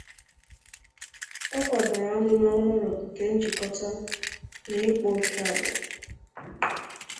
Ọ kwadoro amụma ọhụrụ nke njikọta na ịkpa oke agbụrụ.